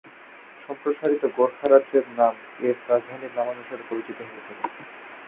সম্প্রসারিত গোর্খা রাজ্যের নাম এর রাজধানীর নামানুসারে পরিচিত হতে থাকে।